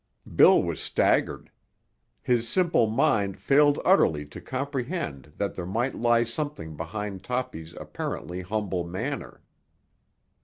Bill was staggered. His simple mind failed utterly to comprehend that there might lie something behind Toppy's apparently humble manner.